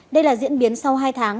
đây là diễn biến sau hai tháng